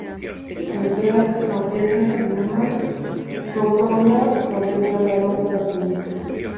Alvear; Saavedra Lamas; Rotonda; Saavedra Lamas; Av.